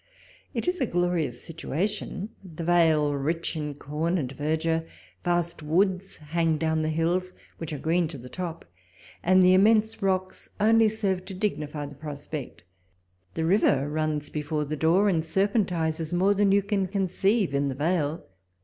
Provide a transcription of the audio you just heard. It is a glorious situa tion ; the vale rich in corn and verdure, vast woods hang down the hills, which are green to the top, and the immense rocks only serve to dignify the prospect. The river runs before the door, and serpentises more than you can con ceive in the vale.